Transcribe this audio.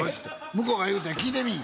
向こうが言うたんや聞いてみい